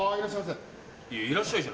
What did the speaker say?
いらっしゃいませ。